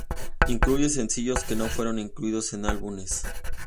Incluye sencillos que no fueron incluidos en álbumes.